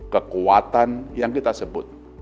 kekuatan yang kita sebut